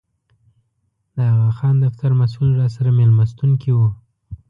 د اغاخان دفتر مسوول راسره مېلمستون کې و.